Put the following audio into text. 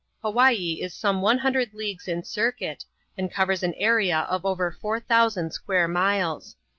Hawaii is some one hundred leagues in circuit, and covers an area of over four thousand square miles.